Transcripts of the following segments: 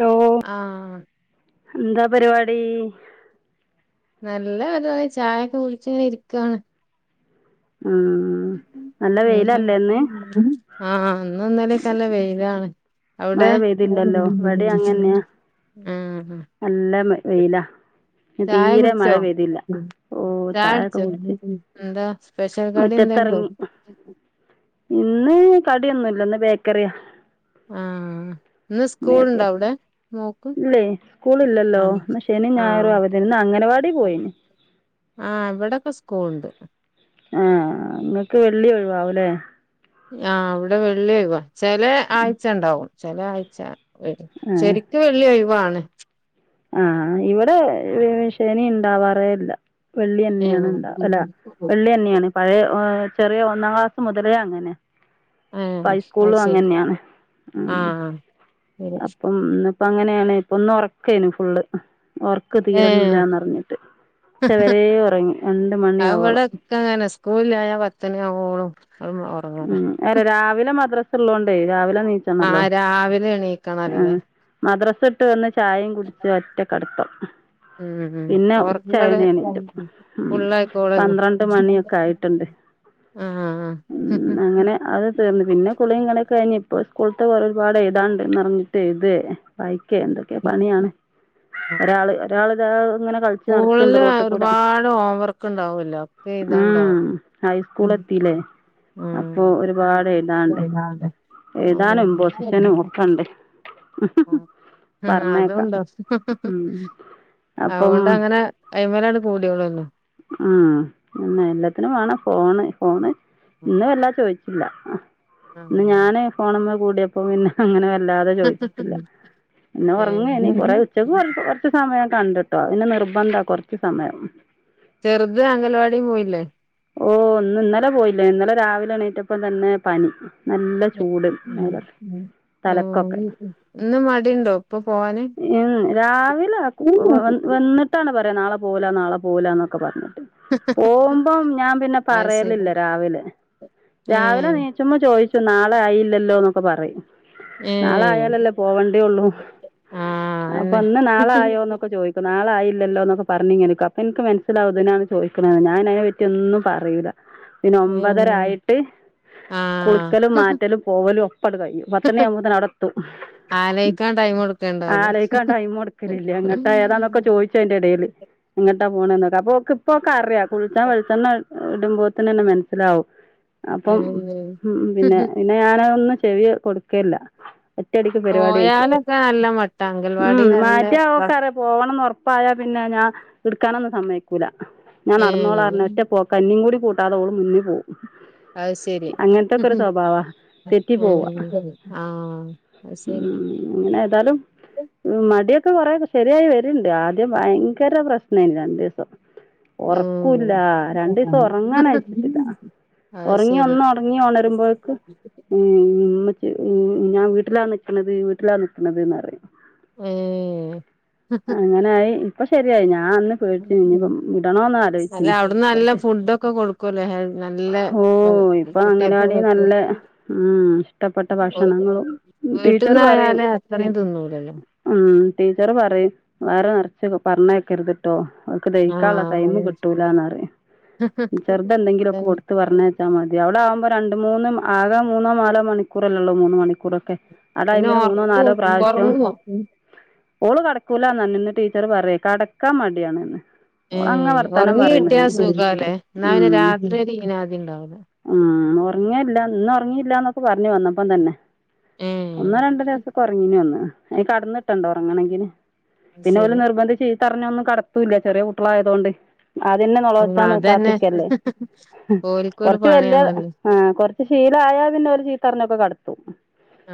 Law ആഹ് ഹെന്താ പരിവാ ടി നല്ല തായി ചായൊക്കെ കുടിച്ചിങ്ങനെ ഇരിക്കാണ് ഉം നല്ല വെയിലല്ലേ ഇന്ന് അ ആ ഇന്ന് ഇന്നലെ ക്കെ നല്ല വെയിലാണ് [unintelligible] അവിടെ മഴ പെയ്തില്ലല്ലോ വടെ അങ്ങനെയാ ആ നല്ല മെ വെയിലാ ഇന്ന് ചായ തീരെ മഴ കുടിച്ചോ പെയ്തില്ല ഓ ചായൊക്കെ കുടിച്ച് പെഷൽ കടി എന്തെണ്ടോ മുറ്റത്തിറങ്ങി ഇന്ന് കടിയൊന്നുല്ല ഇന്ന് ബേക്കറിയാ ആ ഇന്ന് സ്കൂൾ ബേക്ക് ഉണ്ട അവിടെ നോക്കും ഇല്ലേ ആ സ്കൂളില്ലല്ലോ ഇന്ന് ശനിയും ആ ഞായറും അവധി ഇന്ന് അംഗനവാടി പോയിന് ആ ഇവിടെൊക്കെ സ്കൂൾ ഉണ്ട് ആ നിങ്ങക്ക് വെള്ളി ഒഴിവാാവൂലേ ആ അവിടെ വെള്ളിയക്കവാ ചെില ആഴ്ച ഉണ്ടാവും ചെല ആഴ്ച ശരിക്കും വെള്ളി ഒഴിവാണ് [unintelligible] ആഹ ഇവിടെ ശനി ഇണ്ടാവാറേല്ല വെള്ളി ന്നെയാണ് ഉണ്ടാ അല്ല ഏഹ് വെള്ളിന്നെയാണ് പഴയ ചെറിയ ഒന്നാം ക്ലാസ് മുതലേ അങ്ങനെ ഏഹ് അത് ഹൈസ്കൂളും ശരി അങ്ങനെയാണ് ഉം ആഹ് ശരി അപ്പം അപ്പ അങ്ങനെയാണ് ഇപ്പൊന്നൊറ ക്കെനു ഫുള്ള് ഒർക്ക് ഏഹ് തീരണില്ലന്ന്റിഞ്ഞിട്ട് ഉച്ച വരെേ ഒറങ്ങി രണ്ട് മണി ആവോളം പോവ് ല്ലാ ന്നാ പത്തണിയാവോളും ഉം അല്ല രാവിലെ മദ്രസ് ള്ളോണ്ടേ ആഹ് രാവിലെ എണീക്കണല്ലല്ലേ സട്ട് വന്ന് ചായയും കുടിച്ച് ഒറ്റ കടത്തം ഉം ഉം പിന്നെ ഒറക്കല് ഉച്ചയണേണിലും ഉം ഫുള്ളായിക്കോളല്ലോ പന്ത്രണ്ട് മണിയൊക്കെ ആയിട്ടുണ്ട് ആഹ് ഉ അങ്ങനെ അത് തീർന്ന് പിന്നെ കുളി കളീം ക്കെ കയിഞ്ഞ് സ്കൂൾത്തെ കൊറേ ഒരുപാട് എയ് താണ്ട്റിഞ്ഞിട്ട് എയ്തേ വായി ക്കേ എന്തൊക്കെ പണിയാണ് ഒരാൾ ഒരാൾ ത സ്കൂൾല് ഒരുപാട് ഹോംവർക്ക് ഉണ്ടാവല്ലോ ഒക്കെ ഉം എയ്താണ്ടാവും. ഹൈസ്കൂൾ എത്തില്ലേ അപ്പൊ ഉം ഒരുപാട് എഴുതാണ്ട് അതണ്ടോ എഴുതാനും പൊസിഷനും ഒക്കെണ്ട് പറഞ്ഞേക്കാം ഉം അതുണ്ടാവും അപ്പം അങ്ങനെ അയ്മലാണ്ട് കൂടിയോള്ളു ഉം ഉം എന്ന എല്ലാത്തിനും വാണം ഫോണ് ഫോണ് ഇന്ന് വല്ലാ ചോയിച്ചു ഇല്ല ഇന്ന് ഞാന് ഫോണ കൂടിയപ്പം പിന്നെ അങ്ങനെ വല്ലാതെ ചോയിച്ചിട്ടില്ല പിന്നെ ഏ ഒർങ്ങേനി കൊറെേ ഉച്ചക്ക് കൊർച്ച് സമയം കണ്ടിട്ടോ പിന്നെ നിർബന്ധ കൊർച്ച് സമയം ചെർത് അംഗൽവാടീ പോയില്ലേ ഓ ഒന്ന് ഇന്നലെ പോയില്ല ഇന്നലെ രാവിലെ എണീറ്റപ്പം തന്നെ പനി നല്ല ചൂട് മേലൊക്കെ ഉം തലക്കൊക്കെ ഇന്ന് മടിണ്ടോ ഇപ്പൊ പോവാന് ഉം രാവിലെ വ വന്നിട്ടാണ് പറ [unintelligible] നാളെ പോവൂല നാളെ പോവൂലാന്നൊക്കെ പറഞ്ഞു പോവും [unintelligible] ഞാൻ പിന്നെ അത് ശരി പറയലില്ല രാവിലെ ഏ രാവിലെ എനീചുമ്പ ചോദിച്ചു ന [unintelligible] ആയില്ലല്ലോ എന്നൊക്കെ പറയും ഏ നാളെ ആയാലല്ലേ പോവണ്ടേള്ളൂ ആ അപ്പൊ അന്നെ ഇന്ന് നാളെ ആയോന്നൊക്കെ ചോദിക്കും നാളൊയില്ലല്ലോ എന്നൊക്കെ പറഞ്ഞി [unintelligible] അപ്പൊ എനിക്ക് മനസ്സിലാവും ഇതിനാണ് ചോദിക്കണെന്ന് ഞാന് അതിന വി മറ്റൊന്നും പറയൂല പിന്നെ ഒമ്പതര ഉം ആയിട്ട് ആ കുളിക്കലും മാറ്റലും പോവലും ഒപ്പടങ്ങ് കഴിയും പത്ത് മണി ആവുമ്പോ തന്നെ അവിടെ എത്തും ആലോയിക്കാൻ ടൈം കൊടുക്കണ്ടാവൂലേ ആലോചിക്കാൻ ടൈം കൊടുക്കലില്ല അങ്ങട്ട് ഏതാന്നൊക്കെ ചോദിച്ചു അതിന്റെ എടേല് [unintelligible] പോണന്നേക്കൊ അപ്പൊ ഓക്ക് ഇപ്പൊ ഓക്ക് അറിയാം കുളിച്ചാൻ വിളി ഇടുമ്പോ തന്നെന്നെ മനസ്സിലാവും അപ്പം ഉം ഉം പിന്നെ പിന്നെ ഞാന് ഒന്ന് ചെവി കൊടുക്കേല്ല ഒറ്റടിക്ക് പരിപാടി കഴിച്ചു പോയാലൊക്കെ നല്ല മട്ടാ ഉം അംഗൽവാടി നല്ല മാറ്റിയ ഭ അവക്ക് അറിയ പോകണംന്ന് ഓർ [unintelligible] പിന്നെ ഞാൻ എടുക്കാനൊന്നും സമയ്ക്കൂല ഏഹ് എന്നെയും കൂടി കൂട്ടതോ ഓള് മുന്നേ പോവും അത് ശരി അങ്ങനത്തൊക്കെ ഒരു സ്വഭാവാ തെറ്റി പോവാ ആഹ് ആ അത് ശരി ഉം ഒക്കെ കൊറെ ശരിയായി വരുന്നുണ്ട് ആദ്യം ഭയങ്കര പ്രശ്നമായിന് രണ്ടു ദിവസം ഉറക്കൂല്ല ഉം രണ്ട് ദിവസം ഉറങ്ങാൻ അയച്ചിട്ടില്ല അത് ഉറങ്ങി ശരി ഒന്ന് ഉറങ്ങി ഉണരുമ്പോഴക്ക് ഏഹ് ഏഹ് ഉമ്മ ഞാൻ വീട്ടിലാ നിക്കണത് വീട്ടിലാ നിക്കണത് എന്നു പറയും ഏഹ് അങ്ങനായി ഇപ്പൊ ശരിയായി ഞാൻ അന്ന് പേടിചു ഇനിപ്പ വിടണോന്ന് അല്ല ആലോചിച്ചിനി അവിടുന്ന് നല്ല കൊറച്ച് ഫുഡൊക്കെ കൊടുക്കുവല്ലേ ഹെ- നല്ല ഓ വ- ഇപ്പൊ കുട്ടികൾക്ക് അങ്ങനവാടി നല്ല പറ്റും ഉം ഇഷ്ടപ്പെട്ട ഭക്ഷണങ്ങളും ടീച്ചർ പറയും വീട്ടിന്നായാലേ അത്രയും തിന്നൂലല്ലോ ഉം ടീച്ചർ പറയും വയറ് നെറച്ച് പറഞ്ഞ കേക്കരുത്ട്ടോ അവക്ക് ദഹിക്കാ ള്ള ആഹ് ടൈമ് കിട്ടൂലാന്നാറിയാം ചെറുത് എന്തെങ്കിലുമൊക്കെ അതന്നെ കൊടുത്ത പറഞ്ഞ [unintelligible] മതി അവിടെ ആവുമ്പോ രണ്ട് മൂന്നും ആകെ മൂന്നോ നാലോ മണിക്കൂറല്ലേ ഉള്ളൂ മൂന്ന് മണിക്കൂറൊക്കെ ആ പിന്നെ ടൈമില് മൂന്നോ ഉറക്കും നാലോ പ്രാവശ്യം ഉറങ്ങോ ഓള് കെട സ്കൂലാന്ന് പറഞ്ഞു ഇന്ന് ടീച്ചർ പറഞ്ഞു കെടക്കാൻ മടിയാണ്ന്ന് ഓളങ്ങ മ്മ് വർത്താനം ഉറങ്ങി കിട്ടിയാ പറയുന്നന്നെ സുഖാല്ലേ എന്നാ പിന്നെ ഉം രാത്രിയൊക്കെ ഇങ്ങനെ ആദി ഉണ്ടാവില്ല [unintelligible] ഇന്ന് ഉറങ്ങിയില്ലന്നൊക്കെ പറഞ്ഞു വന്നപ്പം തന്നെ ഏ ഒന്നോ രണ്ടു ദിവസംകെ ഉറങ്ങീന് പറഞ്ഞു അയ്ന് കടന്ന്കിട്ടണ്ടേ ഉറങ്ങണെങ്കിൽ അത് പിന്നെ ഓല് ശരി നിർബന്ധിച്ച് പറഞ്ഞൊന്നും കടത്തൂല്ല ചെറിയ കുട്ടികളായതുകൊണ്ട് ആദ്യന്നെ ആ നൊലോളിച്ചാൻ അതന്നെ കാത്തിക്കല്ലേ ഓൽക്കൊരു കൊറച്ച് വല്ല്യ പണിയാണല്ലോ ആ കൊറച്ച് ശീലായാ പിന്നെ ഓല് ചീത്തപറിഞ്ഞൊക്കെ കടത്തും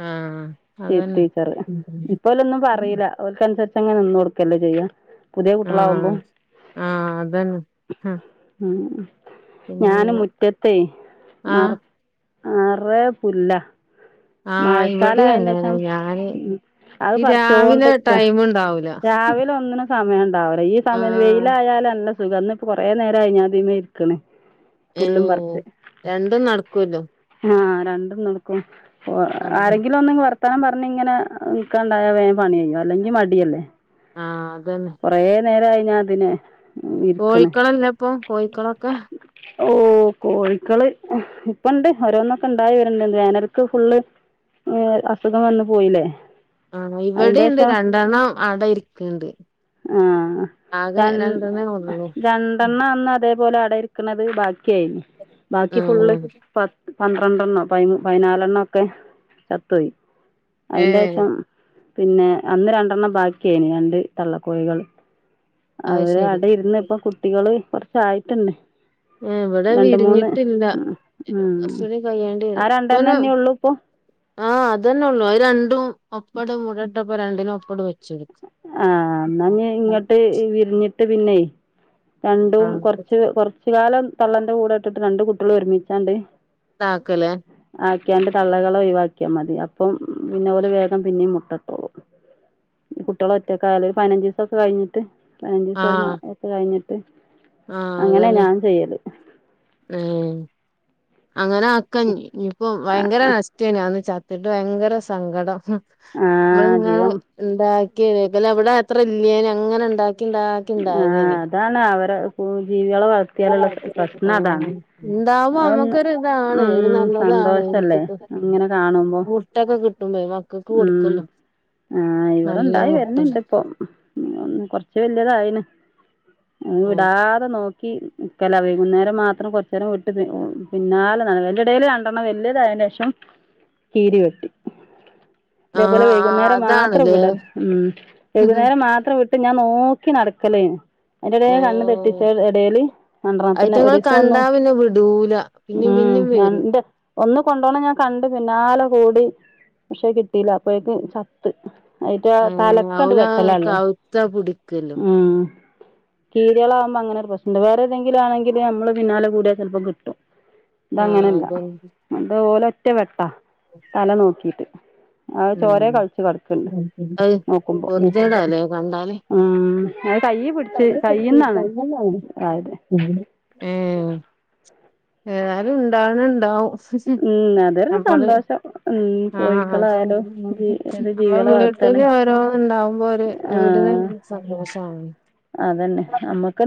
ആ അതന്നെ ടീച്ചറ് ഇപ്പോലൊന്നും പറയില്ല ഓല്ക്കനുസരിച്ച് ഇപ്പൊ അങ്ങനെ നിന്ന് കൊടുക്കല്ലേ ചെയ്യാ പുതിയ ആ കുട്ടികൾ ആവുമ്പോ ആ അതന്നെ ആ പിന്നെ ഞാൻ മുറ്റത്തെയ് ആ നെറച്ച് നെറയെ പുല്ലാ ആഹ് ഇവിടെ മഴക്കാലായേന്റേഷം അങ്ങനെതന്നെ ഞാന് ഉം അത് ഈ രാവിലെ പറിച്ചോണ്ട്ക്കാ ടൈം ഉണ്ടാവും രാവിലെ ഒന്നിനും സമയം ഉണ്ടാവുല ഈ ആ സമയം വെയിലായാലാ [unintelligible] ഇപ്പോ തന്നെ കൊറേ നേരായിഞ്ഞാൻ ഇതിമേ ഇരിക്ക്ണ് ഏ പുല്ലും പറിച്ച് രണ്ടും നടക്കൂല്ലോ ആഹ് രണ്ടും നടക്കും ഓ ആ ആരെങ്കിലും ഒന്ന് [unintelligible] ർത്താനം പറഞ്ഞ്ങ്ങനെ നിൽക്കാണ്ടായ വേം പണി കഴിയും അല്ലെങ്കി മടിയല്ലേ ആഹ് തന്നെ നേരായിഞ്ഞാനിതിന് കോഴിക്കളില്ലെപ്പം കോഴിക്കളൊക്കെ ഓ കോഴിക്കള് ഇപ്പണ്ട് ഓരോന്നൊക്കെ ഇണ്ടായി വര്ന്ന്ണ്ട് വേനൽക്ക് ഫുള്ള് ആഹ് അസുഖം വന്ന് പോയില്ലേ ആഹ് ഇവിടെണ്ട് അയിന്റേഷം രണ്ടെണ്ണം അട ഇരിക്ക്ണ്ട് ആ രണ്ട് ഉള്ളൂ രണ്ടെണ്ണാണ് അടരിക്ക് ഓല് അട ഇരിക്കുന്നത് ബാക്കി ച്ചെയ് ബാക്കി ആ ഫുള്ള് പത്ത് പന്ത്രണ്ടെണ്ണം പ പതിനാലെണ്ണൊക്കെ ചത്തുപോയി ഏ അയിന്റേഷം പിന്നെ അന്ന് രണ്ടെണ്ണം ബാക്കിയായിന് രണ്ട് തള്ളക്കോഴികൾ അത് അവര് അട ഇര്ന്ന് ശരി ഇപ്പോ കുട്ടികള് കൊർ ആയി തന്നെ എവിടെ വിരിഞ്ഞിട്ടില്ല ഉം ഉം കുറച്ചുകൂടി കഴിയേണ്ടി ആ വരും ഇപ്പന്നെ രണ്ടെണ്ണന്നെ ഉള്ളൂ ഇപ്പൊ അതന്നെ ഉള്ളൂ ആ രണ്ടും ഒപ്പട മു രണ്ടിനും ഒപ്പരംവെച്ചെടു ആഹ് എന്നാഇങ്ങട്ട് വിരിഞ്ഞിട്ട് പിന്നെ രണ്ടും ആഹ് കുറച്ച് കുറച്ച കാലം തള്ളന്റെ കൂടെ ഇട്ടിട്ട് രണ്ട് കുട്ടികളും ഒരുമിച്ചാണ്ട് ന്നകാല്ലേ അതൊക്യാ തള്ളകളെ ഒഴിവാക്കിയാൽ മതി അപ്പം പിന്നേ ഓരു വേഗം പിന്നെയും മുട്ട ഇട്ടോളും കുട്ട്യേൾ ഒറ്റ ആയാൽ പതിനഞ്ച് ദിവസക്കെ കഴിഞ്ഞിട്ട് ഇനിയിപ്പം ഓരു ആഹ് മാസം ഒക കഴിഞ്ഞിട്ട് [unintelligible] ആഹ് അങ്ങനെ അതന്നെ ഞാൻ ചെയ്യല് ഏഹ അങ്ങനെ ആക്കനി ഇനിയിപ്പ ഭയങ്കര ആഹ് നഷ്ട്ടേന്യൂ ന്നിട്ട് ഭയങ്കര സങ്കടം ആഹ് നമ്മളിങ്ങനെ ജീവൻ ഇണ്ടാക്കി അവിടെ അത്ര ഇല്ലെന്യൂ അങ്ങനെ ഉണ്ടാക്ക ആഹ് അതാണ് അവ ജീവികളെ വളർത്തിയാലുള്ള പ്രശ്നം ആഹ് അതാണ്. ഉണ്ടാവുമ്പോ അതൊന്ന് നമ്മക്കൊരു ഇതാണ് ഒരു ഉം നല്ലതാണ് സന്തോഷല്ലേ വീട്ട്ക്ക് അങ്ങനെ കാണുമ്പോ മുട്ടൊക്കെ കിട്ടുമ്പേ മക്കൾക്ക് മ് കൊടുക്കല്ലോ ആ ഇവിടെ നല്ല ഉണ്ടായി മുട്ട വരുണ് ണ്ട്പ്പോ കുറച്ച ശേ അതായ്ണ് വിടാതെ നോക്കി നിക്കല ന്നേരം മാത്രം കൊറച്ചരം വിട്ട് പിന്നാലെ അയ്‌ന്റെടയിൽ രണ്ടെണ്ണം വലിയതായതിന് ശേഷം കീരി വെട്ടി. ആഹ് ഇതേപോലെ ആഹ് വൈകുന്നേരം മാത്രം അതാണല്ലേ വിട ഉം വൈകുന്നേരം മാത്രം വിട്ട് ഞാൻ നോ ക്ക്‌ നടക്കലേ അയ്ന്റെടേൽ കണ്ണ് തെട്ടിച്ച ഏഹ് എടെല് രണ്ട്രണ്ണതിനെ അയിറ്റങ്ങൾ ഒരീസം കണ്ടാ പിന്നെ വിടൂല പിന്നിം ഹാ പിന്നിം വരും ഞന്റെ ഒന്ന് കൊണ്ടോണം ഞാൻ കണ്ട് പിന്നാലെ കൂടി പക്ഷേ കിട്ടീല്ല അപ്പേയ്ക്ക് ചത്ത്. അയിറ്റ ഏഹ് തലക്കണ്ട് അവല വെട്ടലല്ലേ. കവുത്താ പിടിക്കല്ലോ ആഹ് കീര്യേളാവുമ്പോ അങ്ങനെ പ്രശ്നണ്ട് വേറെ ഏതെങ്കിലും ആണെങ്കില് നമ്മള് പിന്നാലെ കൂടിയാൽ ചെലപ്പോം കിട്ടും. ആഹ് ഇതങ്ങനെല്ല അതന്നെ അതോലൊ ഒറ്റ വെട്ടാ തല നോക്കീട്ട്. ആഹ് [unintelligible] പൊർത്യേടാലേ കണ്ടാല്. ആഹാ അത് കയ്യ് പിട്ച്ച് കയ്യ്ന്നാണ് ആയത് ഏ അത് ഉണ്ടാവണ ഉണ്ടാവും ഉം അതൊരു സന്തോഷം ഉം ആഹ് കോഴിക്കളായാലും അതന്നെ ഏത് ജീവികളെ നമ്മളെ വളർത്താണ് വീട്ടില് ഓരോ ന്ന്ണ്ടാവുമ്പോ ഒരു വീടിന് ആഹ് സന്തോഷാണ് അതന്നെ നമ്മക്ക്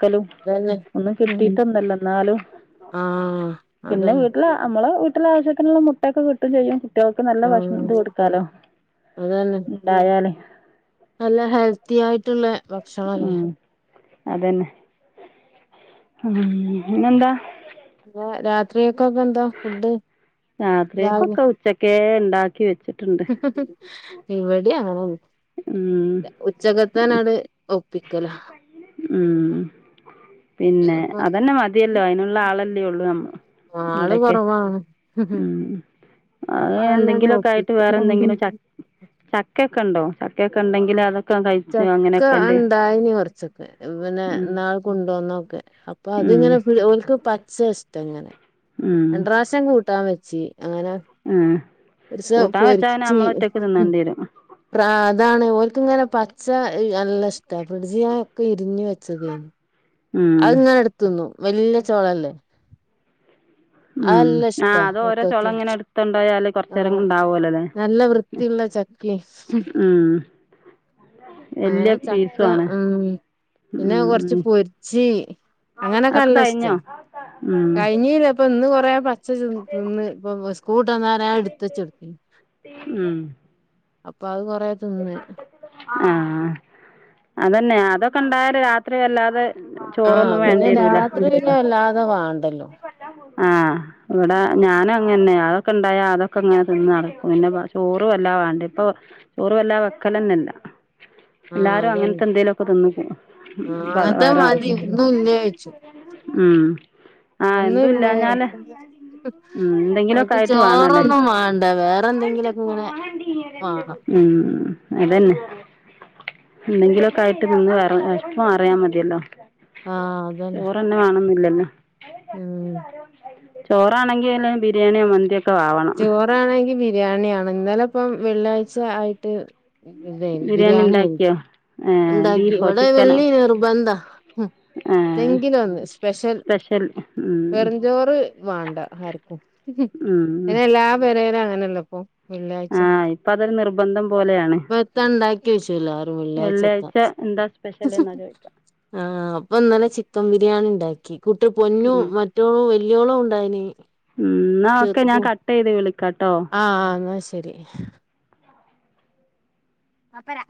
ക്കലു അതന്നെ ഒന്നും ഉം കിട്ടീട്ടൊന്നും അല്ല ന്നാലും [unintelligible] ആഹ് പിന്നെ അതന്നെ വീട്ടില് നമ്മളെവീ ട്ടിലെ ആവിശ്യത്തിനുള്ള മുട്ടക്കെ കിട്ടും ചെയ്യും കുട്ടികൾക്ക് നല്ല ഭക്ഷണം ആഹ് ക്കെ കൊടുക്കാലോ അതന്നെ ഉണ്ടായാല് നല്ല ഹെൽത്തി ആയിട്ടുള്ള ഭക്ഷണല്ലേ ഉം അതന്നെ ഉം പിന്നെ ന്താ എ രാത്രിയൊക്കെ ഒക്കെ എന്തോ ഫുഡ് ആ കേക്കൊക്കെ ഉച്ചക്കെ ണ്ടാക്കിവെച്ച് ഇവിടിം അങ്ങനെ ഉം ഉച്ചക്കത്തെന്നാണ്ട് ഉം പിന്നെ പിന്നെപ്പം അതന്നെ മതിയല്ലോ അയിനുള്ള ആളല്ലേ ഉള്ളൂ നമ് ആള് ഇവിടക്കെ കൊറവാണ് ഉം അപ്പൊ അഹ് അതന്നട് എന്തെങ്കിലുക്കെ ആയിട്ട് വേറെ എന്തെങ്കിലും ഒപ്പിക്കും ച ചക്ക ക്ക ണ്ടോ ചക്കൊക്കെ ഉണ്ടെങ്കിൽ അതക് ക്കെ കഴിച്ചു അങ്ങനെയൊക്കെആണ്ട് ണ്ടായിനി കുറച്ചൊക്കെ പിന്നെ നാൾ കൊണ്ടോന്നൊക്കെ അപ്പൊ ഉം അതിങ്ങനെക്കെ ഓല്ക്ക് പച്ചേ ഇഷ് തങ്ങനെ രണ്ട് റാശ്യം കൂട്ടാൻ വെ ച് അഹ് കൂട്ടാൻ വെച്ച പിന്നെ നമ്മളൊ റ്റക്ക് തിന്നേണ്ടി വരും പ്രാ അതാണ് ഓൽക്ക്‌ ങ്ങനെ പച്ച നല്ല ഇഷ്ട ഫ്രിഡ്ജില് ഒക്കെ ഇരിഞ്ഞ് വെ ച്ചെതേ ഉം അഹ് ങ്ങനെ എടുത്ത്ന്നും വല്ല്യ ചോളല്ലേ അത് ഉം നല്ല ആ ഇഷ്ടാ അത് ഓരോ മക്കൾക്ക് ചൊളങ്ങനെട്തൊണ്ടായാല് ആഹ് നല്ല വൃത്തിയുള്ള ചക്കിം ഉം അങ്ങനെ വലിയ ചക്ക പീസും ആണ് പിന്നെ കൊർച്ച് ഉം പൊര്ച്ച് ജെ അതൊക്കെ അങ്ങനൊക്കെനല്ല ഇഷ്ടാ കഴിഞ്ഞോ ഉം കഴിഞ്ഞീല്ല ഇപ്പൊ ഇന്ന് കൊറേ പച്ച തിന്ന് ഇപ്പ കൂട്ട ഞാ എടുത്ത ചെർത്തി അപ്പൊ അത് കൊറേ തിന്ന് ആ അത പിന്നെ അതൊക്കെ ണ്ടായാല് രാത്രി വല്ലാതെ ആ ചോറൊന്നും പിന്നെ വേണ്ടി വരൂല രാത്രി പിന്നെ വല്ലാതെ വേണ്ടല്ലോ [unintelligible] ആ ഇവിടെ ഞാനുംങ്ങനന്നെ അതൊക്കെണ്ടായാ അതൊക്കെങ്ങനെ തിന്ന് നടക്കും പിന്നെ ചോറ് വല്ലാ വാണ്ട ഇപ്പൊ ചോറ് വല്ലാ വെക്കലന്നല്ല ആഹ് എല്ലാരും അതന്നെ അങ്ങനത്തെന്തേലുക്കെ തിന്ന് ആഹ് അങ്ങനത്തെ വയറർക്കും മതി ഒന്നും ഇല്ലേ ചോയ്ച്ചു ഉം ആഹ് എന്തും ഒന്നുല്ലേ ഇല്ലാഞ്ഞാല് ഉം എന്തെങ്കിലുമൊക്കെ ഓൽക്ക് ആയിട്ട് വേണല്ലേ ചോറൊന്നും വാണ്ട വേറെ എന്തെങ്കിലൊക്കെ ഇങ്ങനെ വാണം ഉം അതന്നെ എന്തെങ്കിലൊക്കെ ആയിട്ട് തിന്ന് വയറ് വെശപ്പ്‌ മാറിയാ മതിയല്ലോ. ആ അതന്നെ. ല്യ മ്മ് ചോറാണെങ്കിൽ ബിരിയാണിയൊ മന്ത്യോ ക്കെ ചോറാണെങ്കി ബിരിയാണിയാണ് ഇന്നലെപ്പം വെള്ളിയാഴ്ച ആയിട്ട് ഇതെയ്നി ബിരിയാണി ബിരിയാണിയ്നി ഉണ്ടാക്കിയോ ണ്ടാക്കി ബീഫോ ഇവിടെ ചിക്കനോ വെള്ളിനിർബന്ധ തെങ്കിലൊന്ന് സ്പെഷ്യൽ വെർഞ്ചോറ് മാണ്ട ആർക്കും ഉം ഇങ്ങനെ എല്ലാ പെരേല ല്ലപ്പൊ വെള്ളിയാഴ്ച ആ ഇപ്പം അതൊരു നിർബന്ധം പോലെയാണ് ഇപ്പ എത്തണ്ടാക്കി യ് ചൂല ആര വെള്ളാഴ് വെള്ളിയാഴ്ച എന്താ സ്പെഷ്യൽ എന്നാ ചോദിക്കുക ആ അപ്പൊന്നലെ ചിക്ക ബിരിയാണിണ്ടാക്കി കുട്ടി പൊന്നു മറ്റോളും വല്ല്യോളും ണ്ടായ്നി ഉം ന്നാ ഓക്കെ ഞാൻ കട്ട് ചെയ്ത് വിളിക്കാട്ടോ ആഹ് ആഹ് എന്നാ ശരി അപ്പരാ